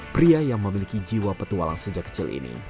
pria yang memiliki jiwa petualang sejak kecil ini